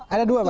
ada dua mas